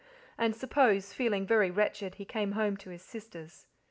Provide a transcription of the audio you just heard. And suppose feeling very wretched, he came home to his sisters.